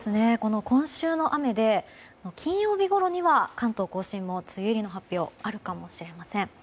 今週の雨で金曜日ごろには関東・甲信も梅雨入りの発表あるかもしれません。